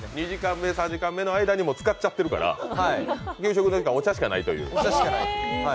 ２時間目、３時間目の間に使ってるから給食の時間、お茶しかないという。